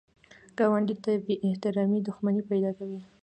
ګاونډي ته بې احترامي دښمني پیدا کوي